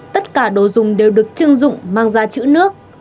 tất cả đồ dùng đều được chưng dụng mang ra chữ nước